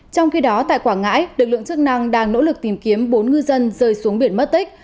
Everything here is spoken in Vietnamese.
trong khi đó tại quảng ngãi lực lượng chức năng đang nỗ lực tìm kiếm bốn ngư dân rơi xuống biển mất tích